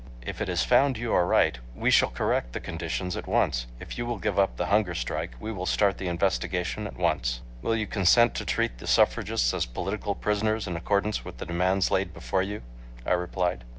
If it is found you are right, we shall correct the conditions at once. If you will give up the hunger strike, we will start the investigation at once." "Will you consent to treat the suffragists as political prisoners, in accordance with the demands laid before you?" I replied.